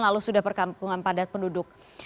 lalu sudah perkampungan padat penduduk